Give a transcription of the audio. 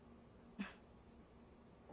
フッ。